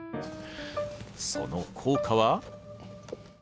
その効果は？